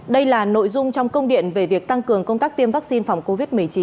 đây là nội dung trong công điện về việc tăng cường công tác tiêm vaccine phòng covid một mươi chín